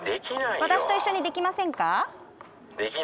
私と一緒にできませんか？